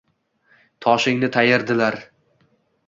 Toshingni tayirdilar